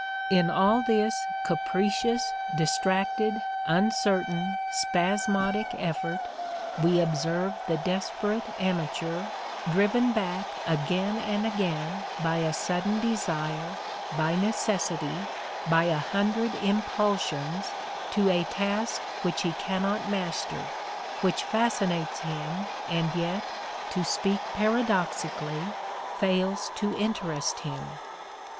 In all this capricious, distracted, uncertain, spasmodic effort we observe the desperate amateur, driven back again and again by a sudden desire, by necessity, by a hundred impulsions to a task which he cannot master, which fascinates him and yet, to speak paradoxically, fails to interest him.